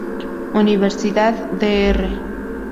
Universidad Dr.